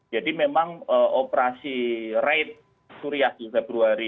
jadi memang operasi raid suriah di februari